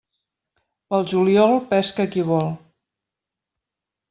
Pel juliol pesca qui vol.